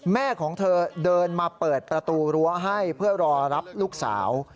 แม่ของเธอเดินมาเปิดประตูรั้วให้เพื่อรอรับลูกสาว